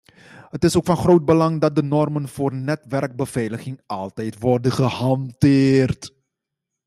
Het is ook van groot belang dat de normen voor netwerkbeveiliging altijd worden gehanteerd.